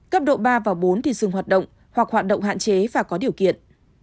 cấp độ ba và bốn thì dừng hoạt động hoặc hoạt động hạn chế và có điều kiện